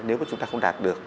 nếu mà chúng ta không đạt được